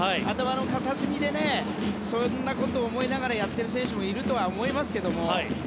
頭の片隅でそんなことを思いながらやっている選手もいるとは思いますけど。